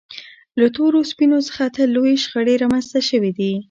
له تورو سپینو څخه تل لویې شخړې رامنځته شوې دي.